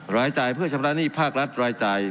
รายจ่ายเพื่อชำระหนี้ภาครัฐรายจ่าย